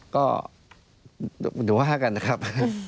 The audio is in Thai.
ก็อยู่ว่ากันนะครับ